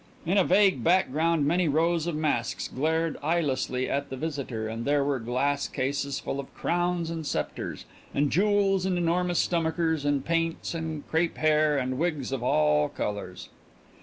In a vague background many rows of masks glared eyelessly at the visitor, and there were glass cases full of crowns and scepters, and jewels and enormous stomachers, and paints, and crape hair, and wigs of all colors.